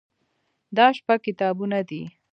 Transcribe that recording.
دا شپږ کتابونه دي.